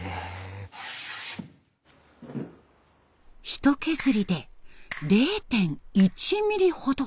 ひと削りで０．１ミリほど。